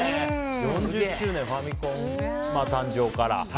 ４０周年、ファミコン誕生から。